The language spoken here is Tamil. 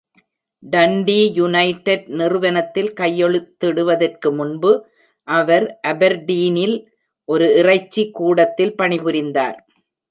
டண்டீ யுனைடெட் நிறுவனத்தில் கையெழுத்திடுவதற்கு முன்பு, அவர் அபெர்டீனில் ஒரு இறைச்சி கூடத்தில் பணிபுரிந்தார்.